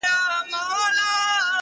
داسي شرط زموږ په نصیب دی رسېدلی؛